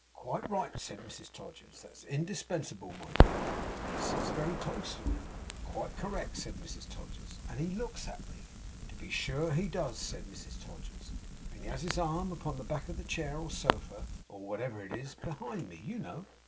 'Quite right,' said Mrs Todgers. 'That's indispensable, my dear.' 'And he sits very close to me.' 'Also quite correct,' said Mrs Todgers. 'And he looks at me.' 'To be sure he does,' said Mrs Todgers. 'And he has his arm upon the back of the chair or sofa, or whatever it is behind me, you know.